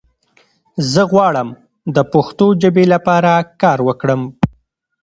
زۀ غواړم د پښتو ژبې لپاره کار وکړم!